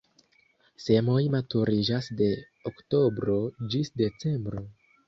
Semoj maturiĝas de oktobro ĝis decembro.